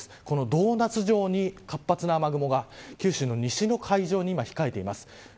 ドーナツ状に活発な雨雲が九州の西の海上に今、控えています。